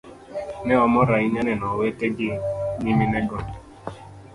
Ne wamor ahinya neno owete gi nyiminego.